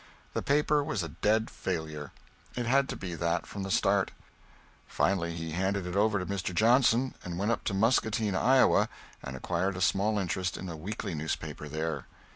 The paper was a dead failure. It had to be that from the start. Finally he handed it over to Mr. Johnson, and went up to Muscatine, Iowa, and acquired a small interest in a weekly newspaper there.